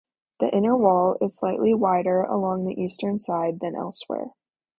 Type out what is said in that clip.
The inner wall is slightly wider along the eastern side than elsewhere.